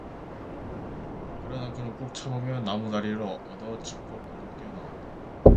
그러나 그는 꾹 참으며 나무다리를 얻어 짚고 밖으로 뛰어나왔다.